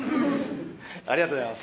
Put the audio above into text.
ありがとうございます。